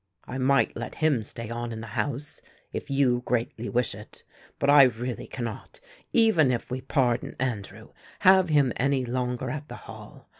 I might let him stay on in the house if you greatly wish it, but I really cannot, even if we pardon Andrew, have him any longer at the Hall.